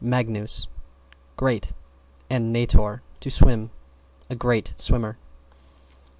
magnus, great, and nator, to swim; a great swimmer.